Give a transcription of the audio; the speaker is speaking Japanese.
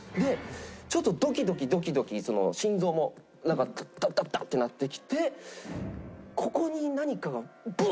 ちょっとドキドキドキドキ心臓もダッダッダッてなってきてここに何かがブン！